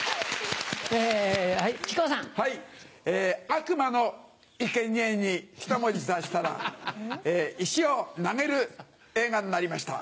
『悪魔のいけにえ』にひと文字足したら石を投げる映画になりました。